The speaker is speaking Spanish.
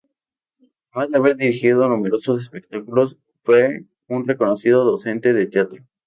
Además de haber dirigido numerosos espectáculos, fue un reconocido docente de teatro.